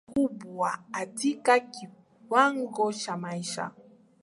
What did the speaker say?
Lakini kuna tofauti kubwa katika kiwango cha maisha